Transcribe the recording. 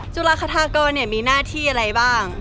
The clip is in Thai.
จุฬาฆาตากรเนี่ยมีหน้าที่อะไรบ้าง